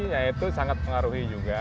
ya itu sangat mengaruhi juga